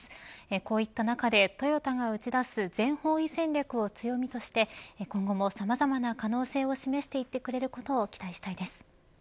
こういった中でトヨタが打ち出す全方位戦略を強みとして今後もさまざまな可能性を示していってくれることを期待したいです。